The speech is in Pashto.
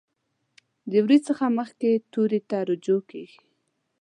د روي څخه مخکې توري ته رجوع کیږي.